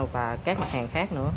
và các mặt hàng khác nữa